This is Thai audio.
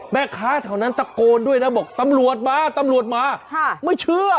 แม่ค้าแถวนั้นตะโกนด้วยนะบอกตำรวจมาตำรวจมาไม่เชื่อ